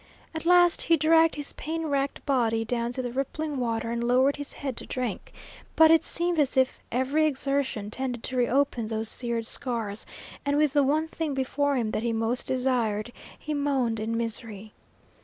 At last he dragged his pain racked body down to the rippling water and lowered his head to drink, but it seemed as if every exertion tended to reopen those seared scars, and with the one thing before him that he most desired, he moaned in misery.